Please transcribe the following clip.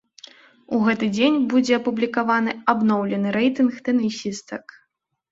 У гэты дзень будзе апублікаваны абноўлены рэйтынг тэнісістак.